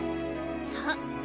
そう。